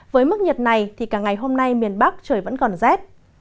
với mức nhiệt này thì cả ngày hôm nay miền bắc trời vẫn còn rét